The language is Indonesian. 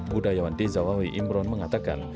budayawan d zawawi imron mengatakan